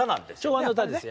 昭和の歌ですよ。